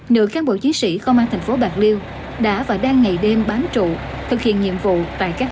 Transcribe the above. nữ cán bộ chiến sĩ công an tp bạc liêu đã và đang ngày đêm bán trụ thực hiện nhiệm vụ tại các